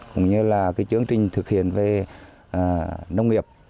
cũng như là chương trình thực hiện về nông nghiệp